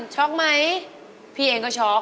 ช็อคไหมพี่เองก็ช็อค